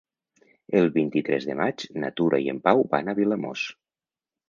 El vint-i-tres de maig na Tura i en Pau van a Vilamòs.